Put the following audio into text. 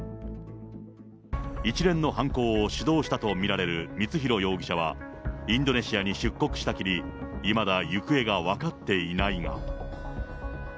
一連の犯行を主導したと見られる光弘容疑者は、インドネシアに出国したきり、いまだ行方が分かっていないが。